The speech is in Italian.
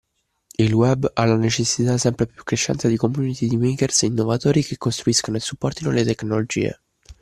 Il Web ha la necessità sempre più crescente di community di makers e innovatori che costruiscano e supportino le tecnologie